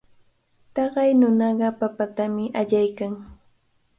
Taqay nunaqa papatami allaykan.